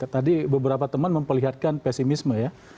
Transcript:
tadi beberapa teman memperlihatkan pesimisme ya